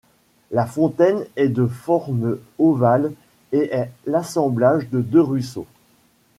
La fontaine est de forme ovale et est l'assemblage de deux ruisseaux.